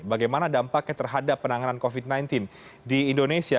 bagaimana dampaknya terhadap penanganan covid sembilan belas di indonesia